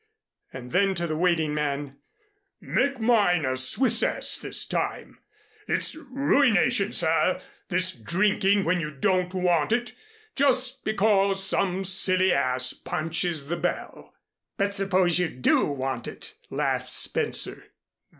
And then to the waiting man: "Make mine a Swissesse this time. It's ruination, sir, this drinking when you don't want it just because some silly ass punches the bell." "But suppose you do want it," laughed Spencer.